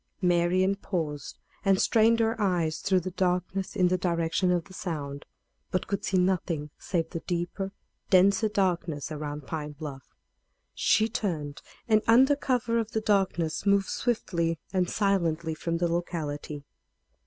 Marian paused and strained her eyes through the darkness in the direction of the sound, but could see nothing save the deeper, denser darkness around Pine Bluff. She turned, and, under cover of the darkness, moved swiftly and silently from the locality.